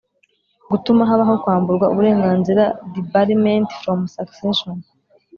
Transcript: gutuma habaho kwamburwa uburenganzira debarment from succession